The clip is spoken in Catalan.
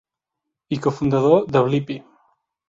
i cofundador de Blippy.